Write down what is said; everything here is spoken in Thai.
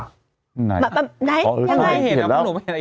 แบบไหนยังไง